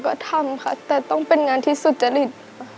ก็ทำค่ะแต่ต้องเป็นงานที่สุจริต